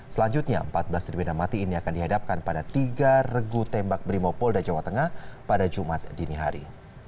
selanjutnya empat belas terpidana mati ini akan dihadapkan pada tiga regu tembak brimopolda jawa tengah pada jumat dini hari